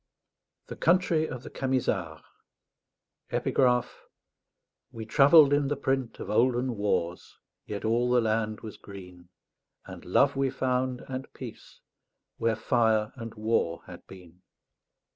THE COUNTRY OF THE CAMISARDS _We travelled in the print of olden wars; Yet all the land was green; And love we found, and peace, Where fire and war had been.